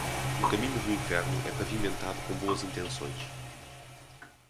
O caminho do inferno é pavimentado com boas intenções.